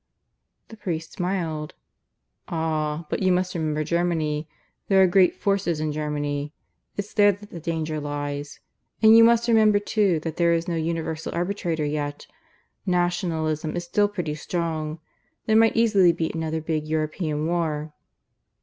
The priest smiled. "Ah! but you must remember Germany. There are great forces in Germany. It's there that the danger lies. And you must remember too that there is no Universal Arbitrator yet. Nationalism is still pretty strong. There might easily be another big European war."